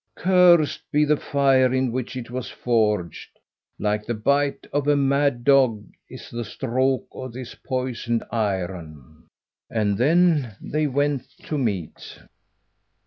Cursed be the fire in which it was forged. Like the bite of a mad dog is the stroke of this poisoned iron." And they went to meat.